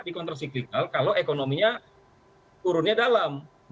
di kontrol siklikal kalau ekonominya turunnya dalam